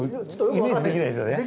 イメージできないですよね。